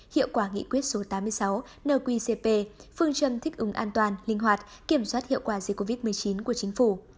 hiệu quả nghị quyết số tám mươi sáu nqcp phương châm thích ứng an toàn linh hoạt kiểm soát hiệu quả dịch covid một mươi chín của chính phủ